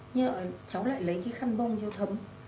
nhưng mà cháu lại lấy cái khăn bông cháu thấm